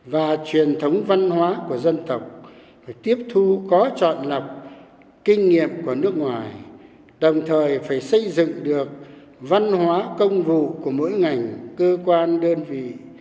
và truyền thống văn hóa của dân tộc phải tiếp thu có chọn lọc kinh nghiệm của nước ngoài đồng thời phải xây dựng được văn hóa công vụ của mỗi ngành cơ quan đơn vị